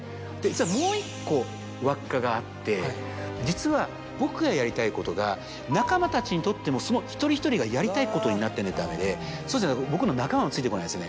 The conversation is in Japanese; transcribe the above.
もう１個輪っかがあって実は僕がやりたいことが仲間たちにとってもその一人一人がやりたいことになってないとダメでそうじゃないと僕の仲間もついてこないですよね。